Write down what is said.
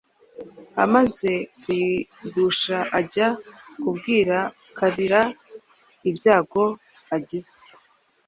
Amaze kuyigusha ajya kubwira Kalira ibyago agize;